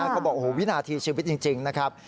เขาบอกโอ้โหวินาทีชีวิตจริงนะครับ